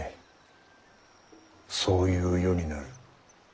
そういう世になる。